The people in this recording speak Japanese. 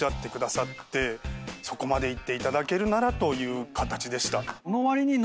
そこまで言っていただけるならという形でした。